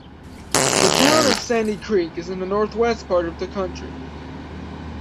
The Town of Sandy Creek is in the northwest part of the county.